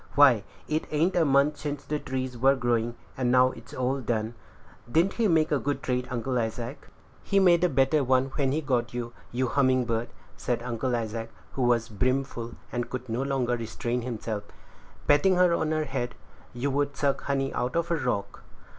Why, it ain't a month since the trees were growing, and now it's all done. Didn't he make a good trade, Uncle Isaac?" "He made a better one when he got you, you little humming bird," said Uncle Isaac, who was brim full, and could no longer restrain himself; patting her on the head, "you would suck honey out of a rock."